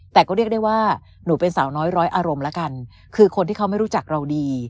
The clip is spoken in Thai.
แต่ก็เรียกได้ว่าหนูเป็นสาวน้อยร้อยอารมณ์แล้วกันคือคนที่เขาไม่รู้จักเราดี